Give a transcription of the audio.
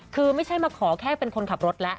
คือไม่ใช่มาขอแค่เป็นคนขับรถแล้ว